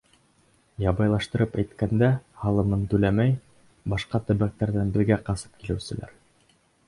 Ябайлаштырып әйткәндә, һалымын түләмәй, башҡа төбәктәрҙән беҙгә ҡасып килеүселәр.